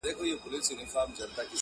سړی چي مړسي ارمانونه يې دلېپاتهسي،